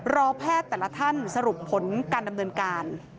รอแพทย์แต่ละท่านสรุปผลการดำเนินการ